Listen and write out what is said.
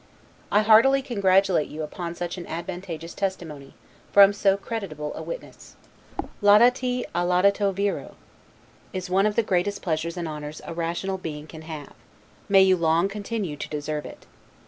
I heartily congratulate you upon such an advantageous testimony, from so creditable a witness. 'Laudati a laudato viro', is one of the greatest pleasures and honors a rational being can have; may you long continue to deserve it!